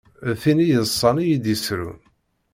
D tin i yi-yeḍṣan i d i yi-yesrun.